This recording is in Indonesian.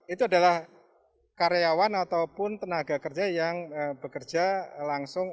itu adalah karyawan ataupun tenaga kerja yang bekerja langsung